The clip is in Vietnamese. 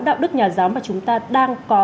đạo đức nhà giáo mà chúng ta đang có